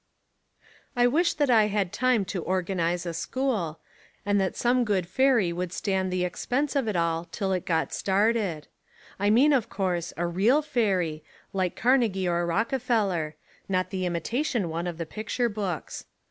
I wish that I had time to organise a school, and that some good fairy would stand the ex pense of it till it got started. I mean, of course, a real fairy like Carnegie or Rockefeller, not the imitation one of the picture books.